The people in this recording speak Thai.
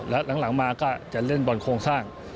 แล้วหลังมาก็จะเล่นบอลโครงสร้าง